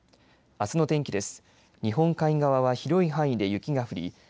あすの天気です。